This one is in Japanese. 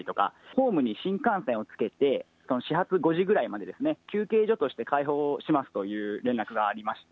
ホームに新幹線をつけて、始発５時ぐらいまでですね、休憩所として開放しますという連絡がありました。